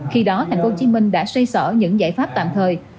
khi đó tp hcm đã xây sỏ những giải pháp tạm thời